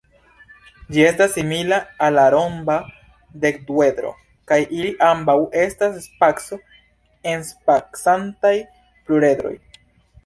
Ĝi estas simila al la romba dekduedro kaj ili ambaŭ estas spaco-enspacantaj pluredroj.